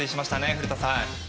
古田さん。